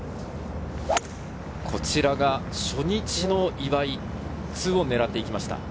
こちらが初日の岩井、２オンを狙っていきました。